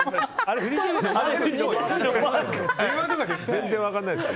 全然分からないです。